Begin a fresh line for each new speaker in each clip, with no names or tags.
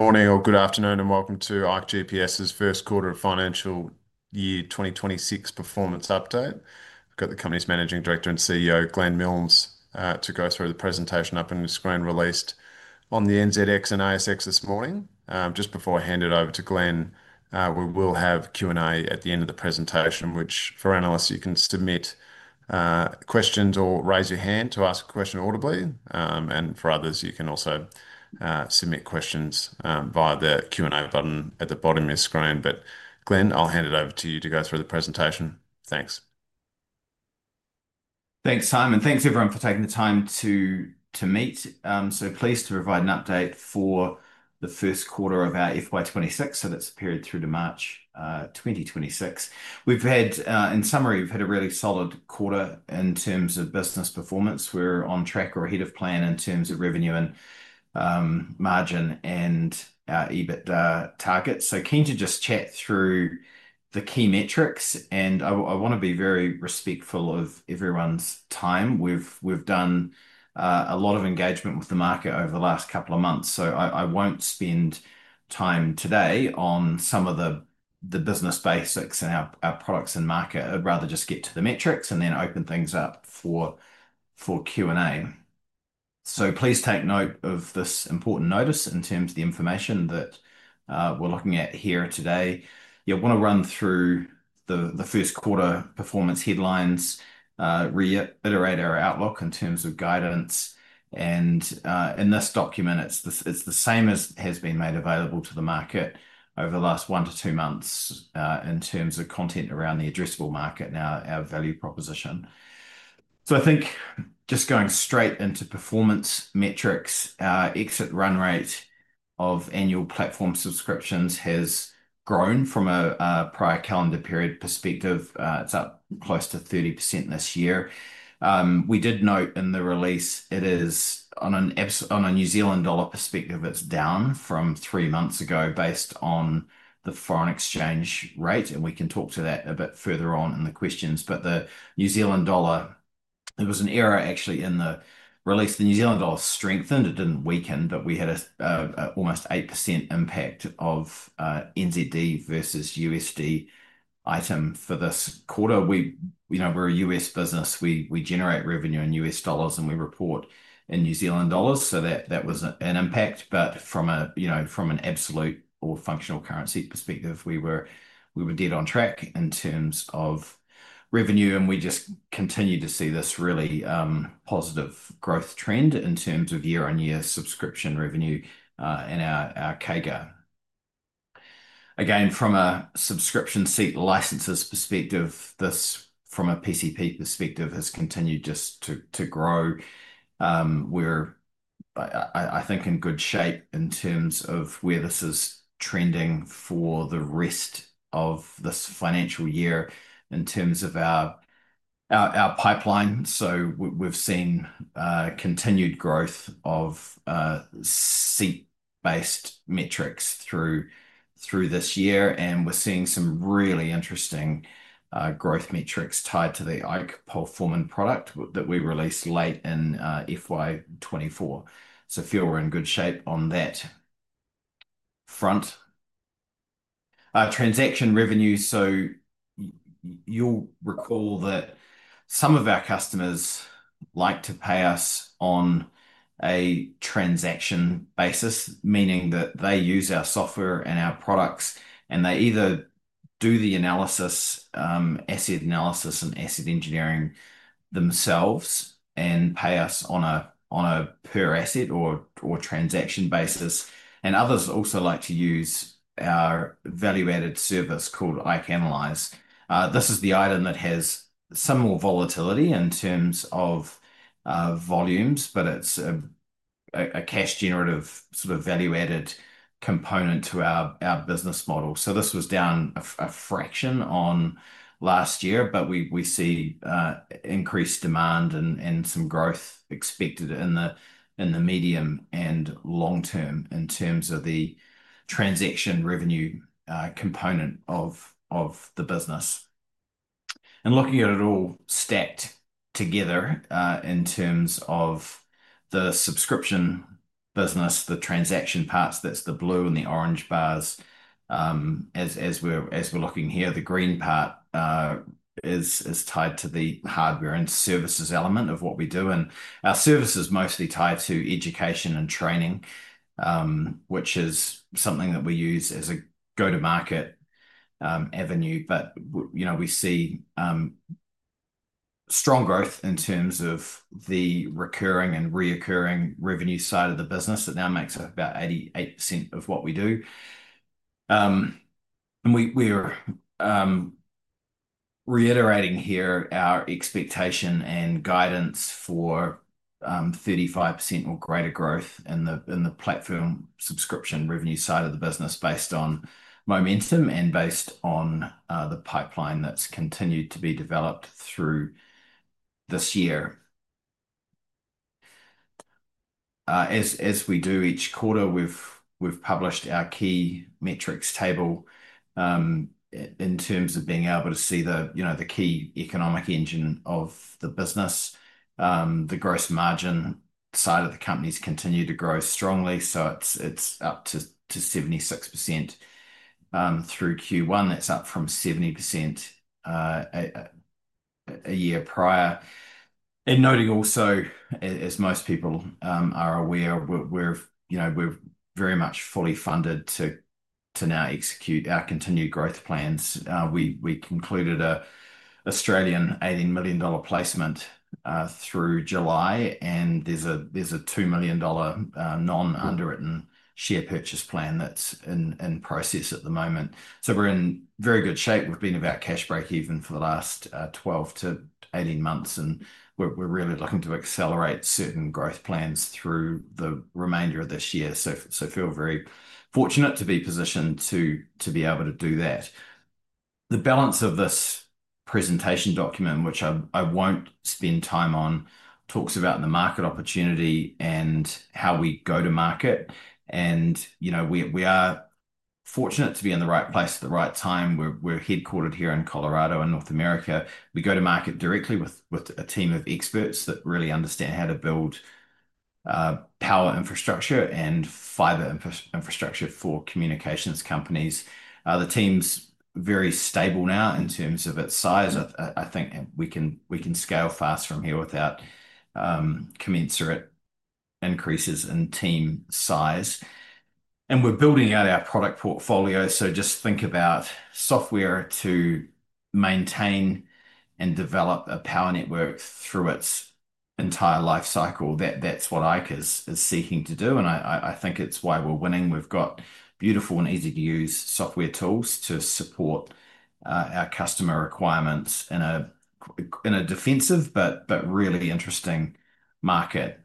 Morning or good afternoon, and welcome to ikeGPS first quarter of financial year 2026 performance update. I've got the company's Managing Director and CEO, Glenn Milnes, to go through the presentation up on the screen released on the NZX and ASX this morning. Just before I hand it over to Glenn, we will have Q&A at the end of the presentation, which for analysts, you can submit questions or raise your hand to ask a question audibly. For others, you can also submit questions via the Q&A button at the bottom of your screen. Glenn, I'll hand it over to you to go through the presentation. Thanks.
Thanks, Simon. Thanks everyone for taking the time to meet. So pleased to provide an update for the first quarter of our FY 2026, so that's the period through to March, 2026. We've had, in summary, a really solid quarter in terms of business performance. We're on track or ahead of plan in terms of revenue, margin, and our EBITDA targets. Keen to just chat through the key metrics, and I want to be very respectful of everyone's time. We've done a lot of engagement with the market over the last couple of months, so I won't spend time today on some of the business basics and our products and market. I'd rather just get to the metrics and then open things up for Q&A. Please take note of this important notice in terms of the information that we're looking at here today. I want to run through the first quarter performance headlines, reiterate our outlook in terms of guidance, and, in this document, it's the same as has been made available to the market over the last one to two months, in terms of content around the addressable market and our value proposition. I think just going straight into performance metrics, our exit run rate of annual platform subscriptions has grown from a prior calendar period perspective. It's up close to 30% this year. We did note in the release it is on a New Zealand dollar perspective, it's down from three months ago based on the foreign exchange rate, and we can talk to that a bit further on in the questions. The New Zealand dollar, there was an error actually in the release. The New Zealand dollar strengthened, it didn't weaken, but we had an almost 8% impact of NZD versus USD item for this quarter. We, you know, we're a U.S. business, we generate revenue in U.S. dollars and we report in New Zealand dollars, so that was an impact. From an absolute or functional currency perspective, we were dead on track in terms of revenue, and we just continue to see this really positive growth trend in terms of year-on-year subscription revenue in our CAGA. Again, from a subscription seat licenses perspective, this, from a PCP perspective, has continued just to grow. We're, I think, in good shape in terms of where this is trending for the rest of this financial year in terms of our pipeline. We've seen continued growth of seat-based metrics through this year, and we're seeing some really interesting growth metrics tied to the IKE Performance product that we released late in FY 2024. I feel we're in good shape on that front. Transaction revenue, you'll recall that some of our customers like to pay us on a transaction basis, meaning that they use our software and our products, and they either do the analysis, asset analysis, and asset engineering themselves and pay us on a per asset or transaction basis. Others also like to use our value-added service called IKE Analyze. This is the item that has some more volatility in terms of volumes, but it's a cash-generative sort of value-added component to our business model. This was down a fraction on last year, but we see increased demand and some growth expected in the medium and long term in terms of the transaction revenue component of the business. Looking at it all stacked together in terms of the subscription business, the transaction parts, that's the blue and the orange bars. As we're looking here, the green part is tied to the hardware and services element of what we do, and our service is mostly tied to education and training, which is something that we use as a go-to-market avenue. We see strong growth in terms of the recurring and recurring revenue side of the business. It now makes about 88% of what we do. We're reiterating here our expectation and guidance for 35% or greater growth in the platform subscription revenue side of the business based on momentum and based on the pipeline that's continued to be developed through this year. As we do each quarter, we've published our key metrics table in terms of being able to see the key economic engine of the business. The gross margin side of the company has continued to grow strongly, so it's up to 76% through Q1. That's up from 70% a year prior. Noting also, as most people are aware, we're very much fully funded to now execute our continued growth plans. We concluded an 18 million dollar placement through July, and there's a 2 million dollar non-underwritten share purchase plan that's in process at the moment. We're in very good shape. We've been about cash break-even for the last 12-18 months, and we're really looking to accelerate certain growth plans through the remainder of this year. I feel very fortunate to be positioned to be able to do that. The balance of this presentation document, which I won't spend time on, talks about the market opportunity and how we go to market. We are fortunate to be in the right place at the right time. We're headquartered here in Colorado and North America. We go to market directly with a team of experts that really understand how to build power infrastructure and fiber infrastructure for communications companies. The team's very stable now in terms of its size. I think we can scale fast from here without commensurate increases in team size. We're building out our product portfolio, so just think about software to maintain and develop a power network through its entire lifecycle. That's what ikeGPS is seeking to do, and I think it's why we're winning. We've got beautiful and easy-to-use software tools to support our customer requirements in a defensive but really interesting market.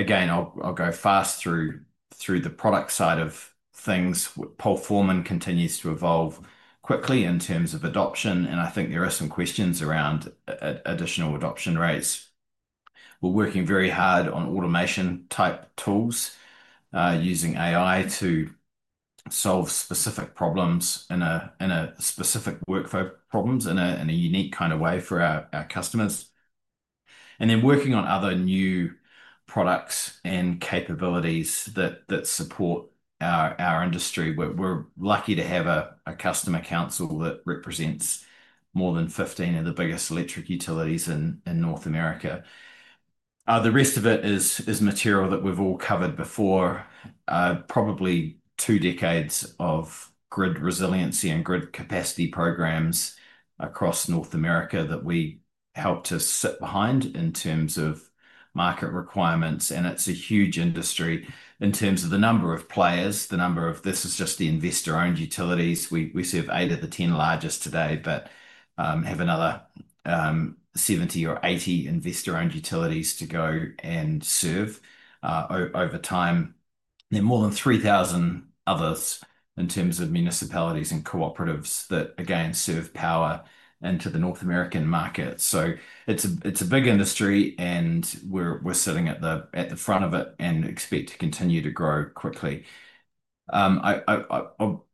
I'll go fast through the product side of things. IKE Performance continues to evolve quickly in terms of adoption, and I think there are some questions around additional adoption rates. We're working very hard on automation-type tools using AI to solve specific problems in specific workflow problems in a unique kind of way for our customers. We're working on other new products and capabilities that support our industry. We're lucky to have a customer council that represents more than 15 of the biggest electric utilities in North America. The rest of it is material that we've all covered before. Probably two decades of grid resiliency and grid capacity programs across North America that we help to sit behind in terms of market requirements. It's a huge industry in terms of the number of players, the number of this is just the investor-owned utilities. We serve eight of the 10 largest today, but have another 70 or 80 investor-owned utilities to go and serve over time. There are more than 3,000 others in terms of municipalities and cooperatives that serve power into the North American market. It's a big industry, and we're sitting at the front of it and expect to continue to grow quickly. I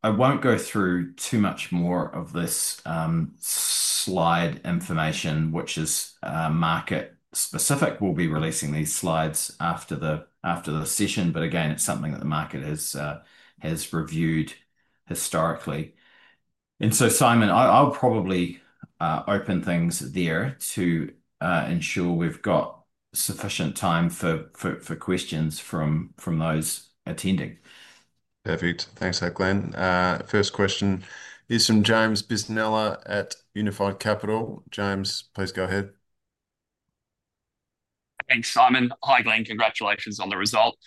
won't go through too much more of this slide information, which is market specific. We'll be releasing these slides after the session, but it's something that the market has reviewed historically. Simon, I'll probably open things there to ensure we've got sufficient time for questions from those attending.
Perfect. Thanks, Glenn. First question is from James Bisinella at Unified Capital. James, please go ahead.
Thanks, Simon. Hi, Glenn. Congratulations on the result.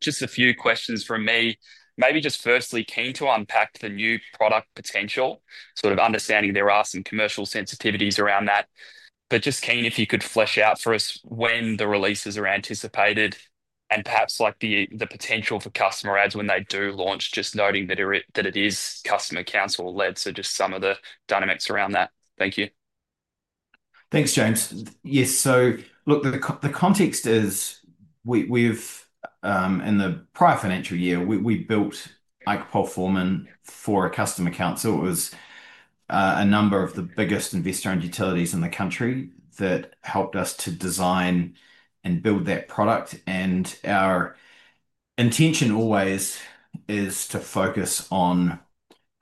Just a few questions from me. Maybe just firstly, keen to unpack the new product potential, sort of understanding there are some commercial sensitivities around that. Just keen if you could flesh out for us when the releases are anticipated and perhaps like the potential for customer adds when they do launch, just noting that it is customer council-led. Just some of the dynamics around that. Thank you.
Thanks, James. Yes, the context is we've in the prior financial year, we built IKE Performance for a customer council. It was a number of the biggest investor-owned utilities in the country that helped us to design and build that product. Our intention always is to focus on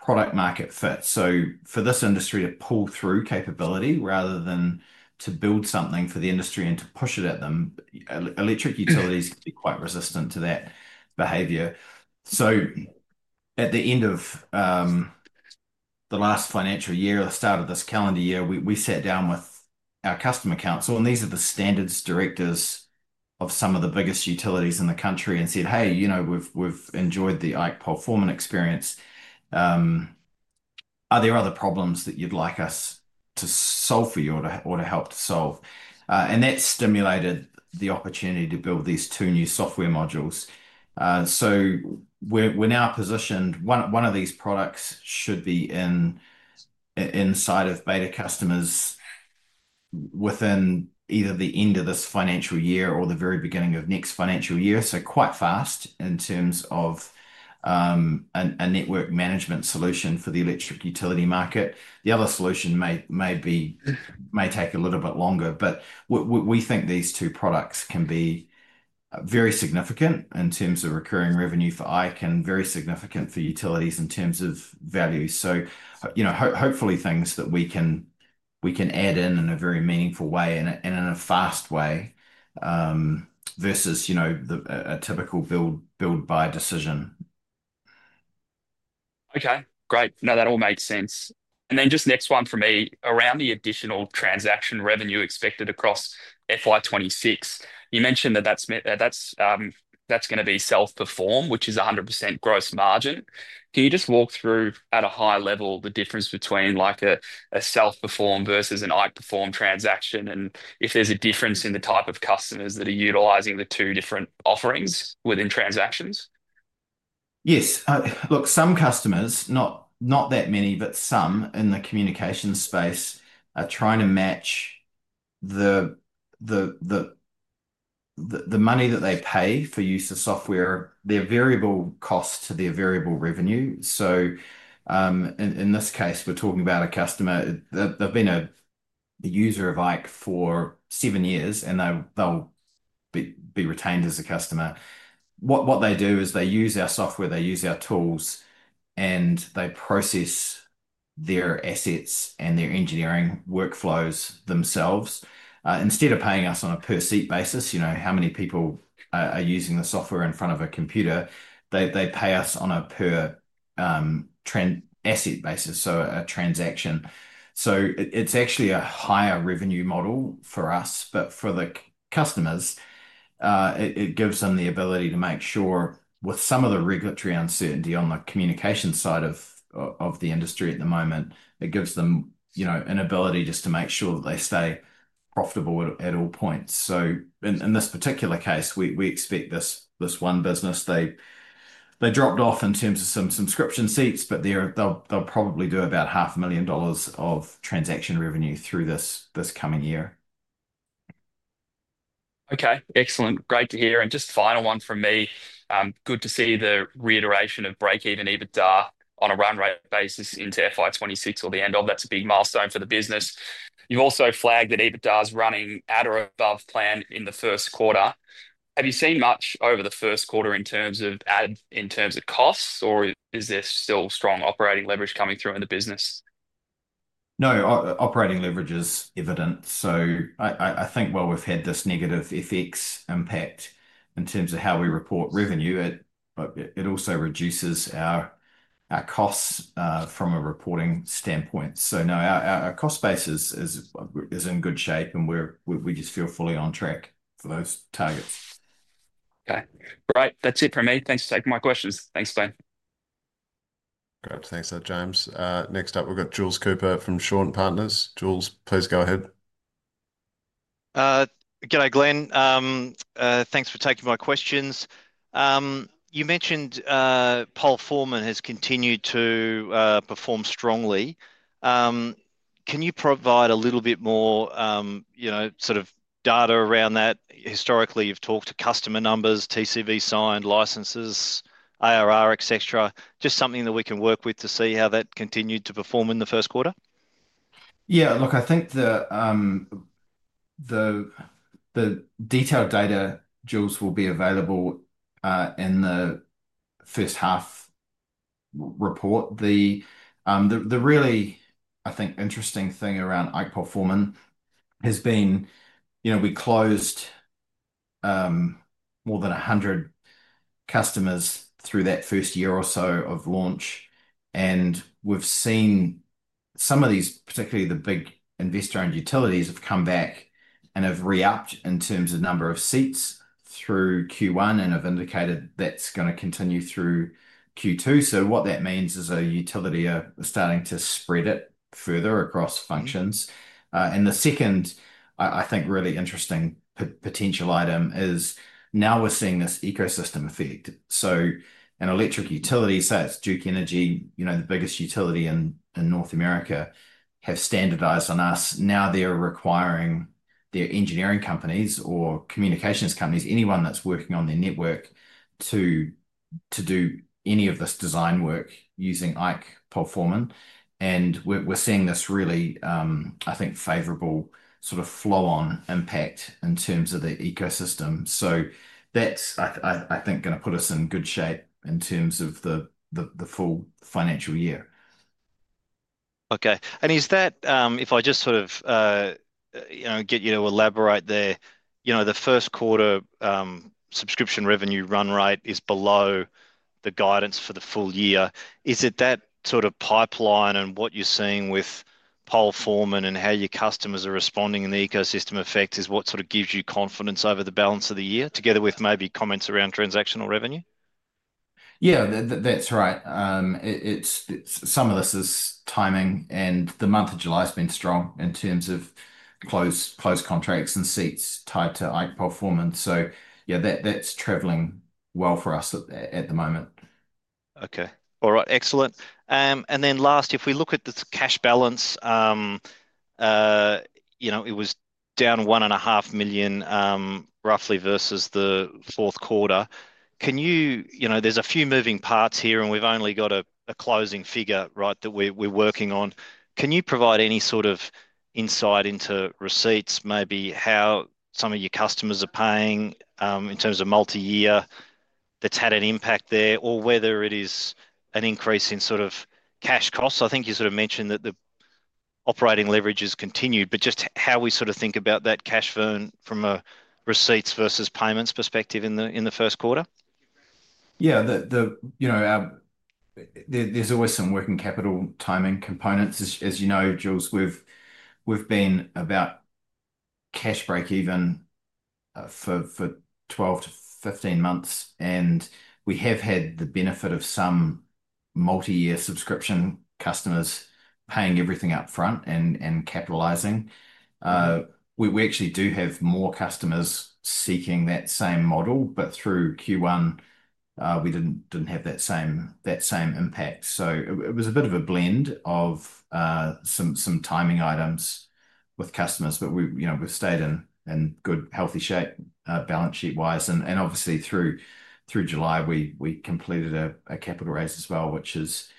product-market fit. For this industry to pull through capability rather than to build something for the industry and to push it at them, electric utilities can be quite resistant to that behavior. At the end of the last financial year, the start of this calendar year, we sat down with our customer council, and these are the standards directors of some of the biggest utilities in the country, and said, "Hey, you know we've enjoyed the IKE Performance experience. Are there other problems that you'd like us to solve for you or to help to solve?" That stimulated the opportunity to build these two new software modules. We're now positioned one of these products should be inside of beta customers within either the end of this financial year or the very beginning of next financial year. Quite fast in terms of a network management solution for the electric utility market. The other solution may take a little bit longer, but we think these two products can be very significant in terms of recurring revenue for IKE and very significant for utilities in terms of value. Hopefully things that we can add in in a very meaningful way and in a fast way versus a typical build-buy decision.
Okay, great. No, that all makes sense. The next one for me around the additional transaction revenue expected across FY 2026. You mentioned that that's going to be self-perform, which is 100% gross margin. Can you just walk through at a high level the difference between like a self-perform versus an IKE Performance transaction and if there's a difference in the type of customers that are utilizing the two different offerings within transactions?
Yes. Look, some customers, not that many, but some in the communications space are trying to match the money that they pay for use of software, their variable cost to their variable revenue. In this case, we're talking about a customer. They've been a user of ike for seven years, and they'll be retained as a customer. What they do is they use our software, they use our tools, and they process their assets and their engineering workflows themselves. Instead of paying us on a per-seat basis, you know how many people are using the software in front of a computer, they pay us on a per-asset basis, so a transaction. It's actually a higher revenue model for us, but for the customers, it gives them the ability to make sure with some of the regulatory uncertainty on the communication side of the industry at the moment, it gives them an ability just to make sure that they stay profitable at all points. In this particular case, we expect this one business. They dropped off in terms of some subscription seats, but they'll probably do about $0.5 million of transaction revenue through this coming year.
Okay, excellent. Great to hear. Just a final one from me. Good to see the reiteration of break-even EBITDA on a run-rate basis into FY 2026 or the end of FY 2026. That's a big milestone for the business. You also flagged that EBITDA is running at or above plan in the first quarter. Have you seen much over the first quarter in terms of add, in terms of costs, or is there still strong operating leverage coming through in the business?
No, operating leverage is evident. I think while we've had this negative FX impact in terms of how we report revenue, it also reduces our costs from a reporting standpoint. Our cost base is in good shape, and we just feel fully on track for those targets.
Okay, great. That's it for me. Thanks for taking my questions. Thanks, Simon.
Thanks, James. Next up, we've got Jules Cooper from Shaw and Partners. Jules, please go ahead.
G'day, Glenn. Thanks for taking my questions. You mentioned Performance has continued to perform strongly. Can you provide a little bit more sort of data around that? Historically, you've talked to customer numbers, TCV signed, licenses, ARR, etc. Just something that we can work with to see how that continued to perform in the first quarter?
Yeah, look, I think the detailed data, Jules, will be available in the first half report. The really, I think, interesting thing around IKE Performance has been, you know, we closed more than 100 customers through that first year or so of launch, and we've seen some of these, particularly the big investor-owned utilities, have come back and have re-upped in terms of number of seats through Q1, and have indicated that's going to continue through Q2. What that means is a utility is starting to spread it further across functions. The second, I think, really interesting potential item is now we're seeing this ecosystem effect. An electric utility, say it's Duke Energy, you know, the biggest utility in North America, have standardized on us. Now they're requiring their engineering companies or communications companies, anyone that's working on their network to do any of this design work using IKE Performance. We're seeing this really, I think, favorable sort of flow-on impact in terms of the ecosystem. I think that's going to put us in good shape in terms of the full financial year.
Okay. Is that, if I just sort of get you to elaborate there, the first quarter subscription revenue run rate is below the guidance for the full year. Is it that sort of pipeline and what you're seeing with Performance and how your customers are responding in the ecosystem effects is what gives you confidence over the balance of the year, together with maybe comments around transactional revenue?
Yeah, that's right. Some of this is timing, and the month of July has been strong in terms of closed contracts and seats tied to IKE Performance. That's traveling well for us at the moment.
Okay. All right. Excellent. Last, if we look at the cash balance, it was down $1.5 million, roughly, versus the fourth quarter. Can you, you know, there's a few moving parts here, and we've only got a closing figure, right, that we're working on. Can you provide any sort of insight into receipts, maybe how some of your customers are paying in terms of multi-year that's had an impact there, or whether it is an increase in sort of cash costs? I think you mentioned that the operating leverage has continued, but just how we think about that cash flow from a receipts versus payments perspective in the first quarter?
Yeah, there's always some working capital timing components. As you know, Jules, we've been about cash break-even for 12-15 months, and we have had the benefit of some multi-year subscription customers paying everything up front and capitalizing. We actually do have more customers seeking that same model, but through Q1, we didn't have that same impact. It was a bit of a blend of some timing items with customers, but we've stayed in good, healthy shape balance sheet-wise. Obviously, through July, we completed a capital raise as well, which is,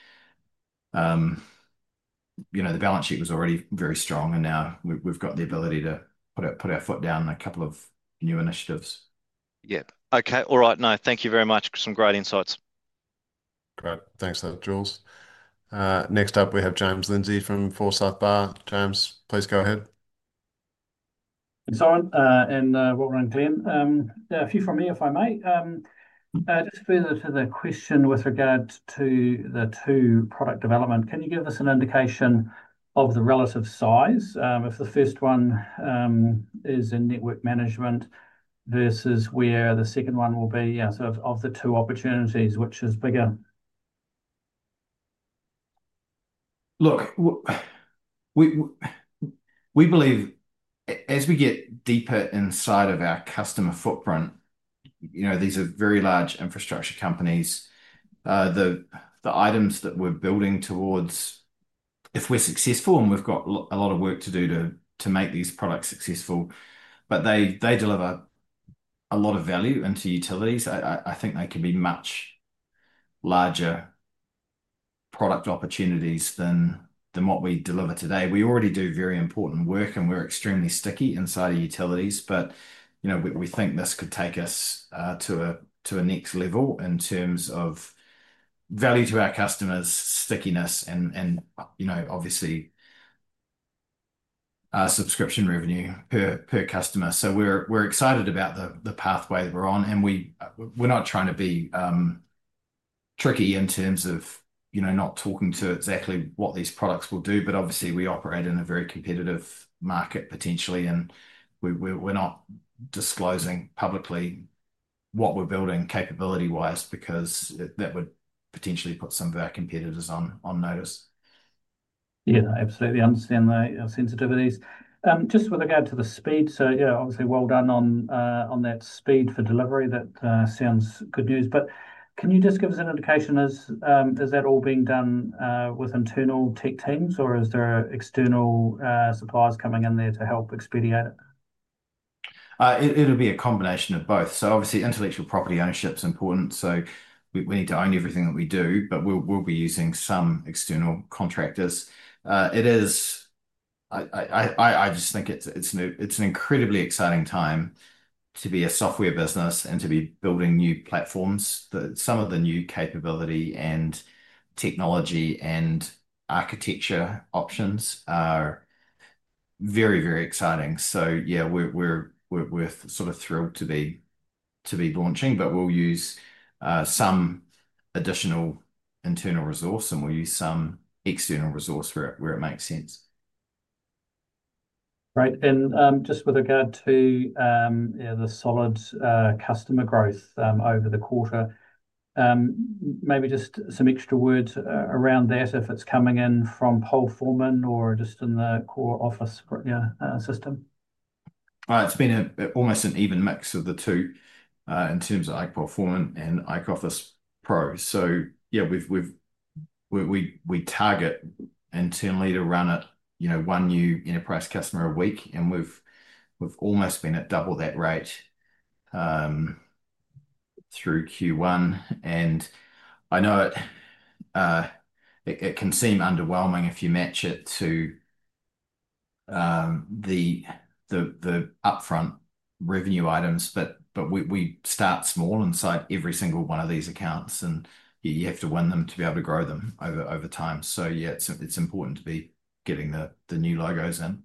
you know, the balance sheet was already very strong, and now we've got the ability to put our foot down in a couple of new initiatives.
Yeah. Okay. All right. No, thank you very much. Some great insights.
Great. Thanks, Jules. Next up, we have James Lindsey from Forsyth Barr. James, please go ahead.
It's on, and well done, Glenn. A few from me, if I may. Just to further to the question with regard to the two product development, can you give us an indication of the relative size if the first one is in network management versus where the second one will be, sort of of the two opportunities, which is bigger?
Look, we believe as we get deeper inside of our customer footprint, these are very large infrastructure companies. The items that we're building towards, if we're successful, and we've got a lot of work to do to make these products successful, deliver a lot of value into utilities. I think they could be much larger product opportunities than what we deliver today. We already do very important work, and we're extremely sticky inside of utilities. We think this could take us to a next level in terms of value to our customers, stickiness, and obviously, our subscription revenue per customer. We're excited about the pathway we're on, and we're not trying to be tricky in terms of not talking to exactly what these products will do. Obviously, we operate in a very competitive market potentially, and we're not disclosing publicly what we're building capability-wise because that would potentially put some of our competitors on notice.
I absolutely understand the sensitivities. Just with regard to the speed, obviously, well done on that speed for delivery. That sounds good news, but can you just give us an indication as is that all being done with internal tech teams, or is there external suppliers coming in there to help expedite it?
It'll be a combination of both. Obviously, intellectual property ownership is important, so we need to own everything that we do, but we'll be using some external contractors. I just think it's an incredibly exciting time to be a software business and to be building new platforms. Some of the new capability and technology and architecture options are very, very exciting. We're sort of thrilled to be launching, but we'll use some additional internal resource, and we'll use some external resource where it makes sense.
Right. With regard to the solid customer growth over the quarter, maybe just some extra words around that if it's coming in from Performance or just in the core Office Pro system.
It's been almost an even mix of the two in terms of IKE Performance and IKE Office Pro. We target internally to run at one new enterprise customer a week, and we've almost been at double that rate through Q1. I know it can seem underwhelming if you match it to the upfront revenue items, but we start small inside every single one of these accounts, and you have to win them to be able to grow them over time. It's important to be getting the new logos in.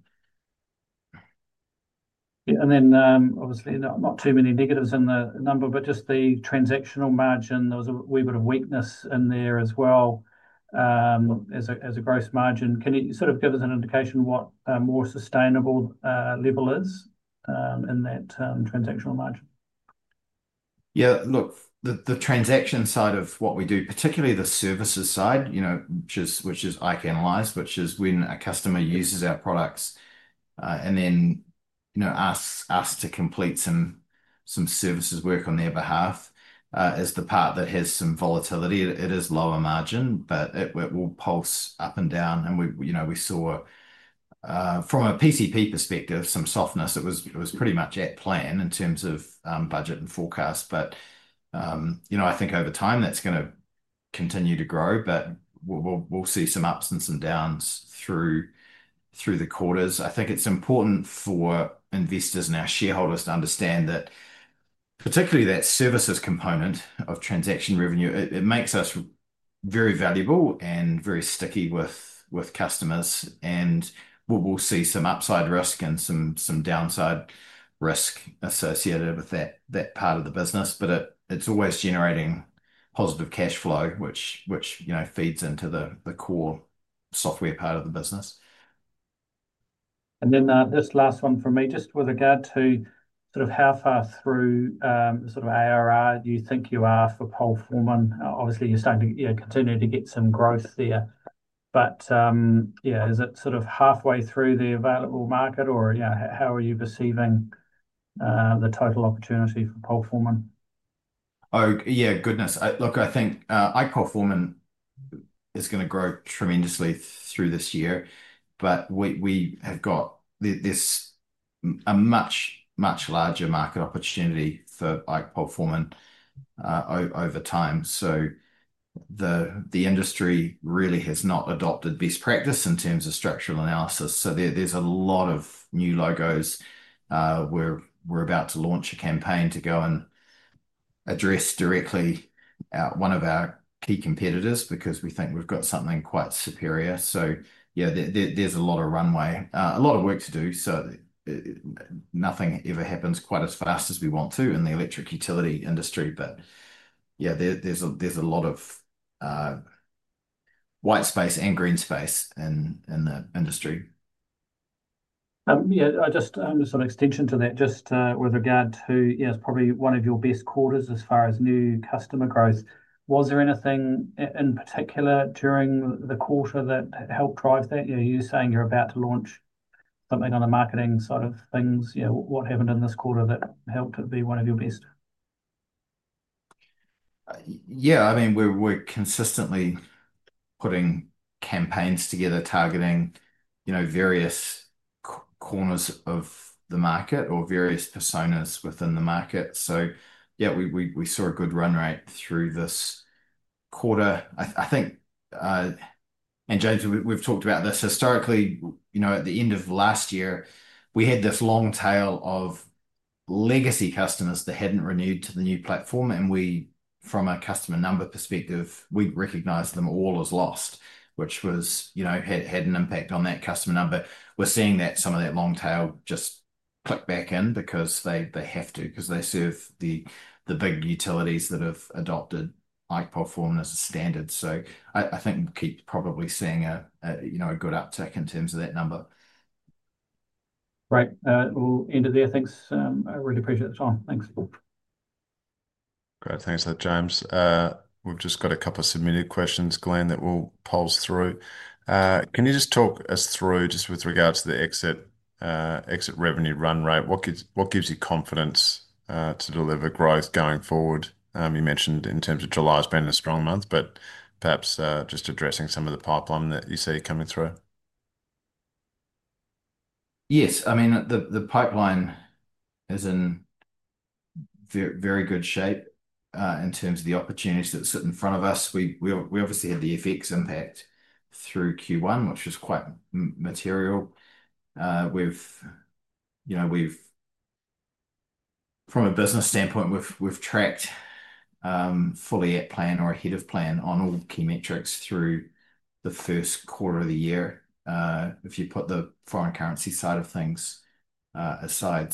Obviously, not too many negatives in the number, but just the transactional margin, there was a wee bit of weakness in there as well as a gross margin. Can you sort of give us an indication what a more sustainable level is in that transactional margin?
Yeah, look, the transaction side of what we do, particularly the services side, which is IKE Analyze, which is when a customer uses our products and then asks us to complete some services work on their behalf, is the part that has some volatility. It is lower margin, but it will pulse up and down. We saw from a PCP perspective some softness. It was pretty much at plan in terms of budget and forecast. I think over time that's going to continue to grow, but we'll see some ups and some downs through the quarters. I think it's important for investors and our shareholders to understand that particularly that services component of transaction revenue, it makes us very valuable and very sticky with customers. We'll see some upside risk and some downside risk associated with that part of the business, but it's always generating positive cash flow, which feeds into the core software part of the business.
This last one for me, just with regard to sort of how far through the sort of ARR do you think you are for Performance? Obviously, you're starting to continue to get some growth there, but yeah, is it sort of halfway through the available market, or how are you perceiving the total opportunity for Performance?
Oh, yeah, goodness. Look, I think IKE Performance is going to grow tremendously through this year, but we have got this much, much larger market opportunity for IKE Performance over time. The industry really has not adopted best practice in terms of structural analysis. There are a lot of new logos. We are about to launch a campaign to go and address directly one of our key competitors because we think we have got something quite superior. There is a lot of runway, a lot of work to do. Nothing ever happens quite as fast as we want to in the electric utility industry, but there is a lot of white space and green space in the industry.
Just as an extension to that, with regard to, it's probably one of your best quarters as far as new customer growth. Was there anything in particular during the quarter that helped drive that? You're saying you're about to launch something on the marketing side of things. What happened in this quarter that helped it be one of your best?
Yeah, I mean, we're consistently putting campaigns together targeting various corners of the market or various personas within the market. Yeah, we saw a good run rate through this quarter. I think, and James, we've talked about this historically, at the end of last year, we had this long tail of legacy customers that hadn't renewed to the new platform, and we, from a customer number perspective, recognized them all as lost, which had an impact on that customer number. We're seeing that some of that long tail just click back in because they have to, because they serve the big utilities that have adopted IKE Performance as a standard. I think we'll keep probably seeing a good uptick in terms of that number.
Right. We'll end it there. Thanks. I really appreciate the time. Thanks.
Great. Thanks for that, James. We've just got a couple of submitted questions, Glenn, that we'll poll through. Can you just talk us through, just with regard to the exit revenue run rate, what gives you confidence to deliver growth going forward? You mentioned in terms of July's been a strong month, perhaps just addressing some of the pipeline that you see coming through.
Yes, I mean, the pipeline is in very good shape in terms of the opportunities that sit in front of us. We obviously had the FX impact through Q1, which was quite material. From a business standpoint, we've tracked fully at plan or ahead of plan on all key metrics through the first quarter of the year, if you put the foreign currency side of things aside.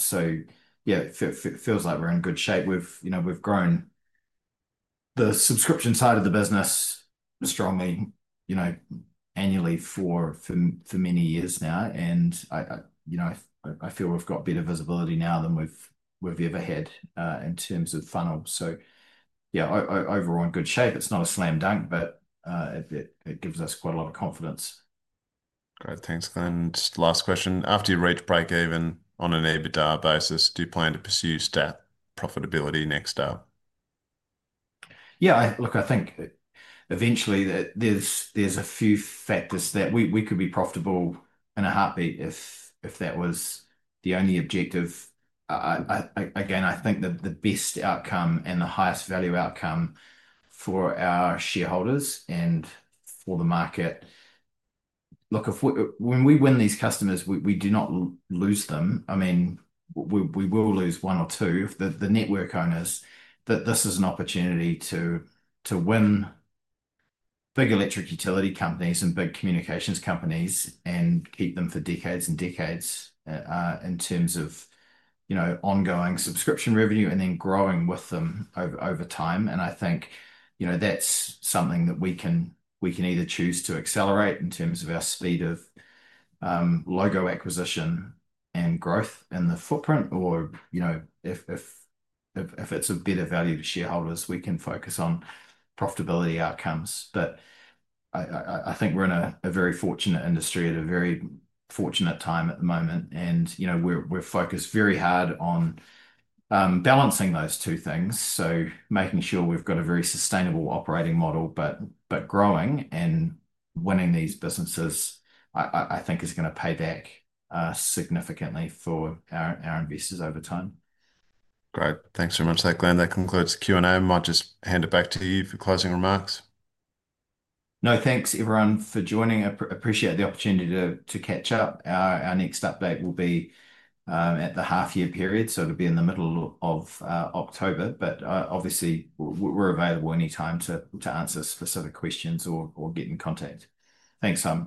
It feels like we're in good shape. We've grown the subscription side of the business strongly annually for many years now, and I feel we've got better visibility now than we've ever had in terms of funnel. Overall, in good shape. It's not a slam dunk, but it gives us quite a lot of confidence.
Thanks, Glenn. Just the last question. After you reach break-even on an EBITDA basis, do you plan to pursue staff profitability next up?
Yeah, look, I think eventually there's a few factors that we could be profitable in a heartbeat if that was the only objective. I think the best outcome and the highest value outcome for our shareholders and for the market. Look, when we win these customers, we do not lose them. I mean, we will lose one or two of the network owners. This is an opportunity to win big electric utility companies and big communications companies and keep them for decades and decades in terms of ongoing subscription revenue and then growing with them over time. I think that's something that we can either choose to accelerate in terms of our speed of logo acquisition and growth in the footprint, or, if it's a better value to shareholders, we can focus on profitability outcomes. I think we're in a very fortunate industry at a very fortunate time at the moment, and we're focused very hard on balancing those two things. Making sure we've got a very sustainable operating model, but growing and winning these businesses, I think, is going to pay back significantly for our investors over time.
Great. Thanks very much for that, Glenn. That concludes the Q&A. I might just hand it back to you for closing remarks.
No, thanks everyone for joining. I appreciate the opportunity to catch up. Our next update will be at the half-year period, so it'll be in the middle of October. Obviously, we're available anytime to answer specific questions or get in contact. Thanks, Simon.